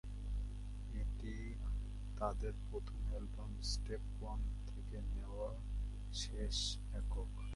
এটি তাদের প্রথম অ্যালবাম "স্টেপ ওয়ান" থেকে নেওয়া শেষ একক।